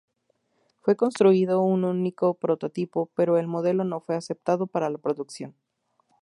Fue construido un único prototipo, pero el modelo no fue aceptado para la producción.